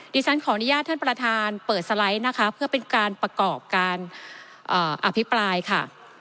ดิฉันขออนุญาตท่านประธานเปิดสไลด์นะคะเพื่อเป็นการประกอบการอภิปรายค่ะ